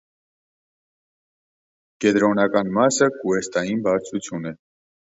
Կեդրոնական մասը կուեստային բարձրութիւն է։